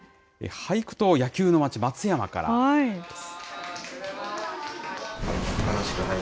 俳句と野球の町、松山からです。